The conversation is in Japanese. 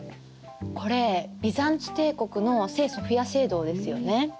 これビザンツ帝国の聖ソフィア聖堂ですよね。